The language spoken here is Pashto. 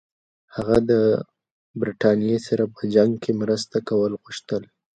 هغه د برټانیې سره په جنګ کې مرسته کول غوښتل.